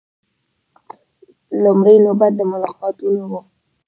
لومړۍ نوبت د ملاقاتونو و.